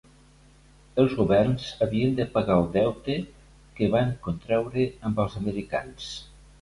Els governs havien de pagar el deute que van contraure amb els americans.